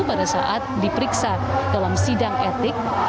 pada saat diperiksa dalam sidang etik